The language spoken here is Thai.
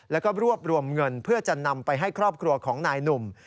แล้วก็รวบรวมเงินเพื่อจะนำไปให้ครอบครัวของนายหนุ่ม